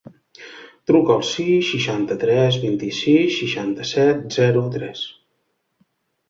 Truca al sis, seixanta-tres, vint-i-sis, seixanta-set, zero, tres.